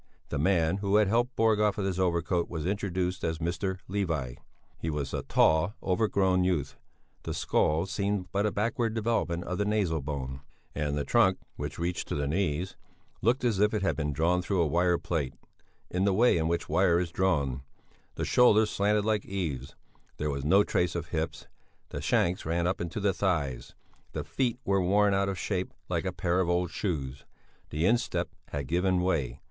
The man who had helped Borg off with his overcoat was introduced as Mr. Levi. He was a tall, overgrown youth; the skull seemed but a backward development of the nasal bone, and the trunk which reached to the knees, looked as if it had been drawn through a wire plate, in the way in which wire is drawn; the shoulders slanted like eaves; there was no trace of hips, the shanks ran up into the thighs; the feet were worn out of shape like a pair of old shoes; the instep had given way.